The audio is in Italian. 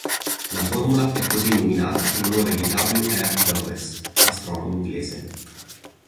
La formula è così nominata in onore di W. R. Dawes, astronomo inglese.